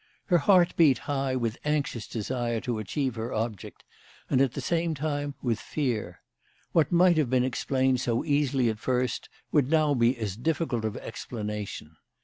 Her heart beat high with anxious desire to achieve her object, and at the same time with fear. "What might have been explained so easily at first would now be as difficult of explanation.